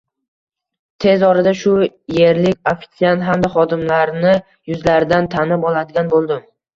Tez orada shu erlik ofisiant hamda xodimlarni yuzlaridan tanib oladigan bo`ldim